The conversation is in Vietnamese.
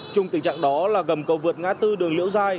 chung tình trạng đó là gầm cầu vượt ngã tư đường liễu giai